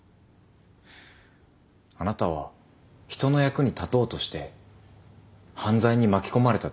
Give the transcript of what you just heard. あなたは人の役に立とうとして犯罪に巻き込まれただけです。